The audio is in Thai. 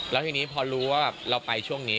แล้วทีนี้พอรู้ว่าเราไปช่วงนี้